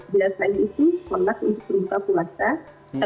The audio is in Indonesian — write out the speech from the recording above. biasanya itu kolak untuk membuka puasa